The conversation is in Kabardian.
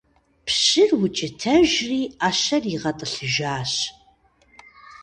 Пщыр укӀытэжри, Ӏэщэр игъэтӀылъыжащ.